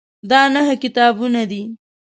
دا نهه کتابونه دي.